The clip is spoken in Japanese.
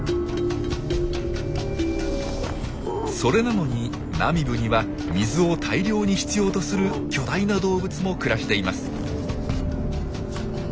それなのにナミブには水を大量に必要とする巨大な動物も暮らしています。